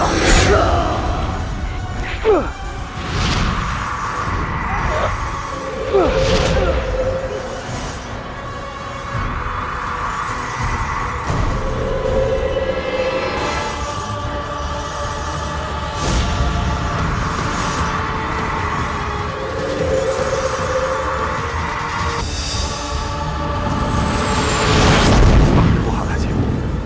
makhota indor beriku